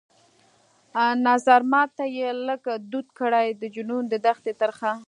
نظرمات ته يې لږ دود کړى د جنون د دښتي ترخه